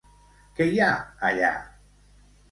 Què hi ha, allà?